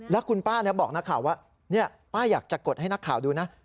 แล้วคุณป้าบอกนักข่าวว่าป้าอยากจะกดให้นักข่าวดูนะ